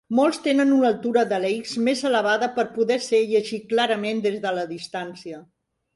Molts tenen una altura de la x més elevada per poder ser llegit clarament des de la distància.